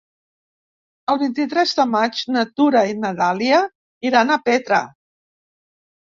El vint-i-tres de maig na Tura i na Dàlia iran a Petra.